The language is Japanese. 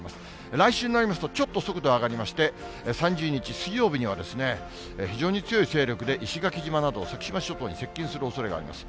来週になりますと、ちょっと速度上がりまして、３０日水曜日には、非常に強い勢力で石垣島など、先島諸島に接近するおそれがあります。